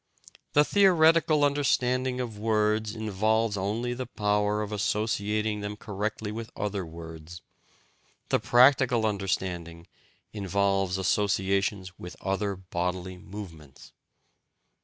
The theoretical understanding of words involves only the power of associating them correctly with other words; the practical understanding involves associations with other bodily movements.